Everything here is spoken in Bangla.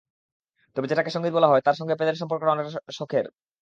তবে যেটাকে সংগীত বলা হয়, তার সঙ্গে পেলের সম্পর্কটা অনেকটা শখের।